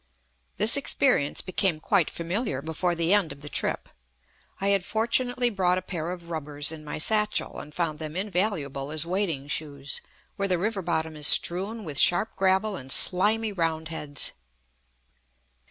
This experience became quite familiar before the end of the trip. I had fortunately brought a pair of rubbers in my satchel, and found them invaluable as wading shoes, where the river bottom is strewn with sharp gravel and slimy round heads.